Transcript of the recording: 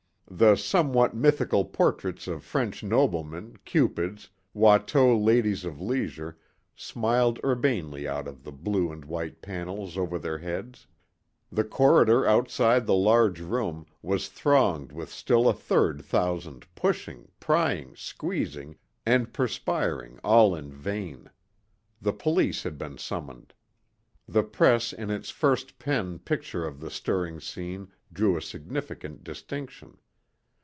The somewhat mythical portraits of French noblemen, Cupids, Watteau ladies of leisure smiled urbanely out of the blue and white panels over their heads. The corridor outside the large room was thronged with still a third thousand pushing, prying, squeezing, and perspiring all in vain. The police had been summoned. The press in its first pen picture of the stirring scene drew a significant distinction.